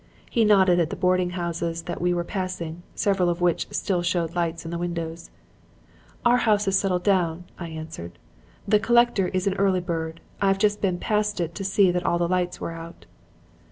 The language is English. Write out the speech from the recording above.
He nodded at the boarding houses that we were passing, several of which still showed lights in the windows. "'Our house has settled down,' I answered. 'The collector is an early bird. I have just been past it to see that all the lights were out.'